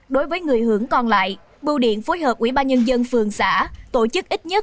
đối với người hưởng còn lại bu điện phối hợp ubnd phường xã tổ chức ít nhất